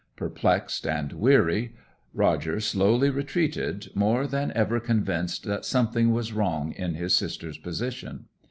Perplexed and weary, Roger slowly retreated, more than ever convinced that something was wrong in his sister's position.